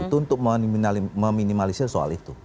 itu untuk meminimalisir soal itu